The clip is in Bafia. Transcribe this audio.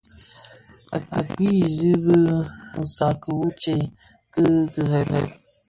Å kpii zig bi nsàdki wu ctsee (bi kirèè).